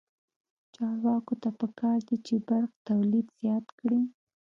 چارواکو ته پکار ده چې، برق تولید زیات کړي.